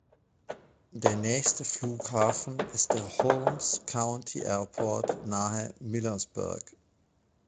Der nächste Flughafen ist der "Holmes County Airport" nahe Millersburg.